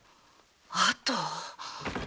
あと。